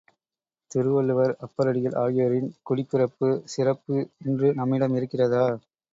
திருவள்ளுவர், அப்பரடிகள் ஆகியோரின் குடிப்பிறப்பு சிறப்பு இன்று நம்மிடம் இருக்கிறதா?